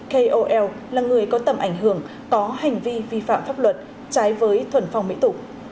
kol là người có tầm ảnh hưởng có hành vi vi phạm pháp luật trái với thuần phong mỹ tục